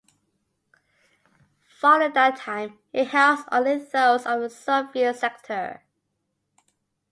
Following that time, it housed only those of the Soviet sector.